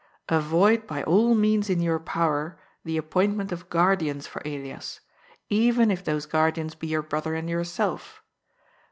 Avoid by all means in your power the appointment of guardians for Elias, even if those guard ians be your brother and yourself.